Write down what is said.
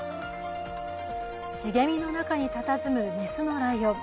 茂みの中にたたずむ雌のライオン。